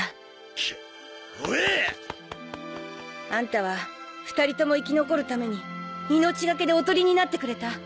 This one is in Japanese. くっ追え！あんたは２人とも生き残るために命懸けでおとりになってくれた。